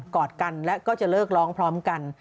อดกันและก็จะเลิกร้องพร้อมกัน